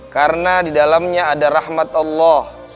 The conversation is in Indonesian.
karena di dalamnya ada rahmat allah